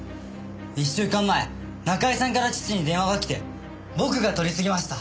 一週間前中居さんから父に電話がきて僕が取り次ぎました。